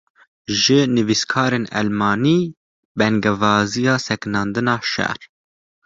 Ji nivîskarên Elmanî, bangewaziya sekinandina şer